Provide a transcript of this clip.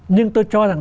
nhưng tôi cho rằng